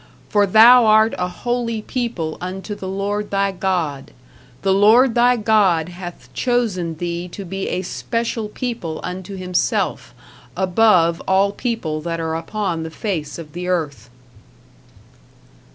For thou art a holy people unto the Lord thy God: the Lord thy God hath chosen thee to be a special people unto himself, above all people that are upon the face of the earth.